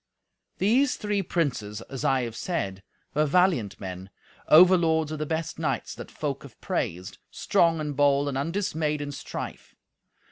These three princes, as I have said, were valiant men, overlords of the best knights that folk have praised, strong and bold and undismayed in strife.